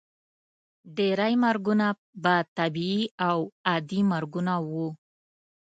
ډیری مرګونه به طبیعي او عادي مرګونه وو.